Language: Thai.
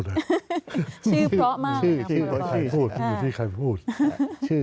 ชื่อเพราะมากเลยค่ะคนตรงนี้